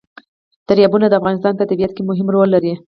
دریابونه د افغانستان په طبیعت کې مهم رول لري.